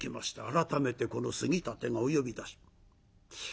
改めてこの杉立がお呼び出し。